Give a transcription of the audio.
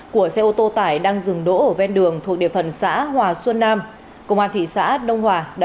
của xe ô tô tải đang dừng đỗ ở ven đường thuộc địa phần xã hòa xuân nam công an thị xã đông hòa đã